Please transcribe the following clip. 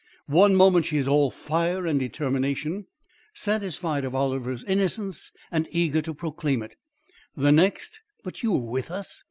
One moment she was all fire and determination, satisfied of Oliver's innocence and eager to proclaim it. The next but you were with us.